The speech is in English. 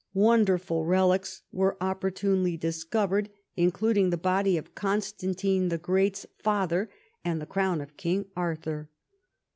Wonderful relics Avere opportunely dis covered, including the body of Constantine the Great and the crown of King Arthur.